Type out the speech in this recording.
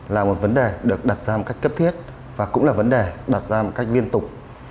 là một vấn đề được đặt ra một cách cấp thiết và cũng là vấn đề đặt ra một cách liên tục